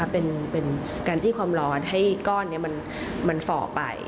เป็นการจี้ความร้อนให้ก้อนนี้มันฝ่อไป